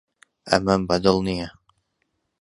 ئەمەم بەدڵ نییە.